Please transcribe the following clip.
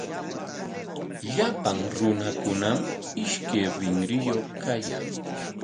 Llapan runakunami ishkay rinriyuq kayan.